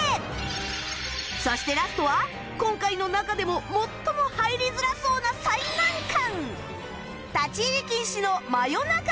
そしてラストは今回の中でも最も入りづらそうな最難関